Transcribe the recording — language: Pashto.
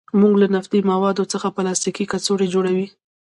موږ له نفتي موادو څخه پلاستیکي کڅوړې جوړوو.